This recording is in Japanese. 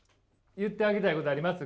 言ってあげたいことあります？